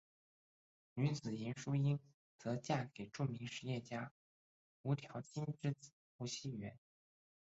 女子严淑英则嫁给著名实业家吴调卿之子吴熙元。